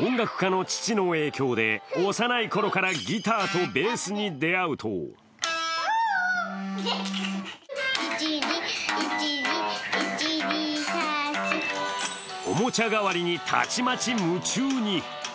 音楽家の父の影響で、幼いころからギターとベースに出会うとおもちゃ代わりにたちまち夢中に。